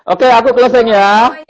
oke aku closing ya